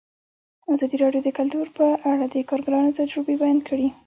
ازادي راډیو د کلتور په اړه د کارګرانو تجربې بیان کړي.